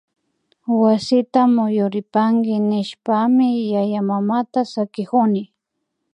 Wasita muyuripanki nishpami yayamamata sakikuni